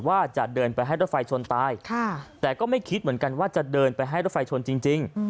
ว่าจะเดินไปให้รถไฟชนตายแต่ก็ไม่คิดเหมือนกันว่าจะเดินไปให้รถไฟชนจริง